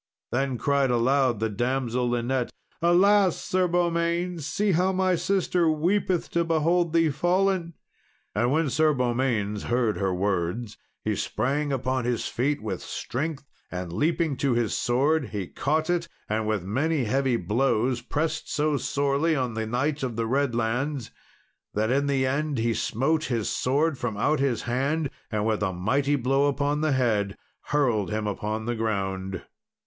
Then cried aloud the damsel Linet, "Alas! Sir Beaumains, see how my sister weepeth to behold thee fallen!" And when Sir Beaumains heard her words, he sprang upon his feet with strength, and leaping to his sword, he caught it; and with many heavy blows pressed so sorely on the Knight of the Redlands, that in the end he smote his sword from out his hand, and, with a mighty blow upon the head, hurled him upon the ground.